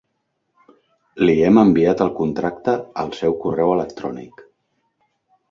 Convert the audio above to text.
Li hem enviat el contracte al seu correu electrònic.